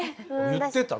言ってた。